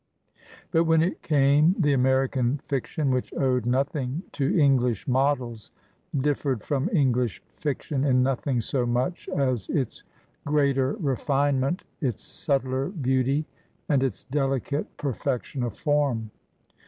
But when it came, the American fiction which owed nothing to English models differed from Enghsh fiction in noth ing so much as its greater refinement, its subtler beauty, and its delicate perfection of form.